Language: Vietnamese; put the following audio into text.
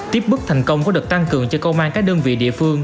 tiếp bước thành công có được tăng cường cho công an các đơn vị địa phương